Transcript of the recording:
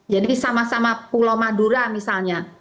jadi sama sama pulau madura misalnya